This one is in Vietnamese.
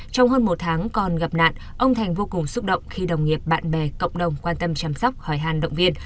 trong hơn một tháng còn gặp nạn ông thành vô cùng xúc động khi đồng nghiệp bạn bè cộng đồng quan tâm chăm sóc hỏi hàn động viên